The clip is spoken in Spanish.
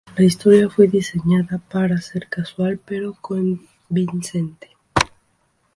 La historia fue diseñada para ser casual, pero convincente.